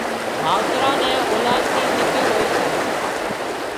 ماوتران نين اولاد نِي فڪر هوئي سي